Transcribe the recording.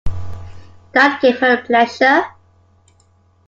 That gave her pleasure.